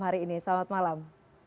hari ini selamat malam